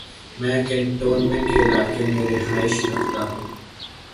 میں کینٹونمینٹ کے علاقے میں رہائش رکھتا ہوں۔